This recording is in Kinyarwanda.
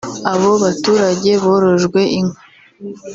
Abo baturage borojwe inka